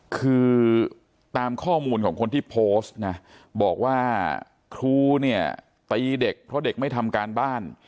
คือตามข้อมูลของคนที่โพสต์นะบอกว่าครูเนี่ยตีเด็กเพราะเด็กไม่ทำการบ้าน